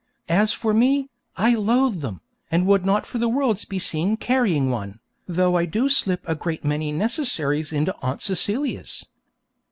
As for me, I loathe them, and would not for worlds be seen carrying one, though I do slip a great many necessaries into Aunt Celia's.